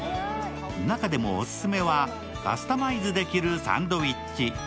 中でもオススメはカスタマイズできるサンドウィッチ。